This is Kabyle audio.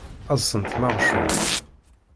Ad sentmeɣ cwiṭ.